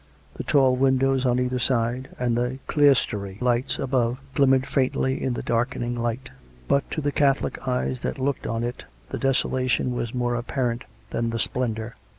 The tall windows on either side, and the clerestory lights above, glimmered faintly in the darkening light. But to the Catholic eyes that looked on it the desolation 174 COME RACK! COME ROPE! was more apparent than the splendour.